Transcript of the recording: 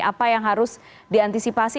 apa yang harus diantisipasi